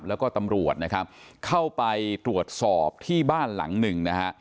แล้วก็ตำรวจนะครับเข้าไปตรวจสอบที่บ้านหลังหนึ่งนะฮะ